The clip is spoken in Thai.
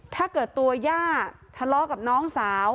ถ้าเกิดตัวย่าทะเลาะกับน้องสาว